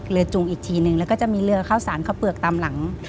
จุงอีกทีนึงแล้วก็จะมีเรือข้าวสารข้าวเปลือกตามหลัง